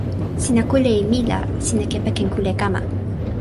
sina kule e mi la, sina kepeken kule kama.